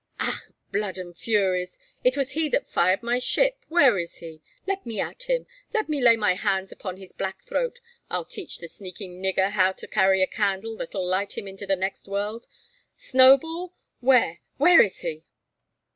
Ach! Blood and furies! it was he that fired my ship. Where is he? Let me at him! Let me lay my hands upon his black throat! I'll teach the sneaking nigger how to carry a candle that'll light him into the next world. Snowball! Where, where is he?"